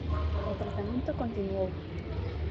O tratamento continuou.